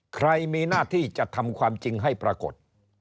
ใครมีหน้าที่จะทำความจริงให้ปรากฏ